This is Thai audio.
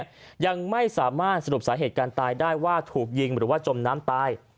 ยังไม่สามารถสรุปสาเหตุการตายได้ว่าถูกยิงหรือว่าจมน้ำตาย